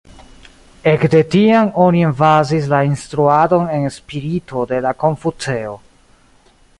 Ekde tiam oni emfazis la instruadon en spirito de la Konfuceo.